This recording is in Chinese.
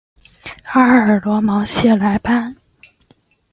阿尔罗芒谢莱班。